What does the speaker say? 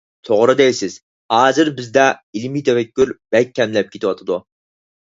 توغرا دەيسىز، ھازىر بىزدە ئىلمىي تەپەككۇر بەك كەملەپ كېتىۋاتىدۇ.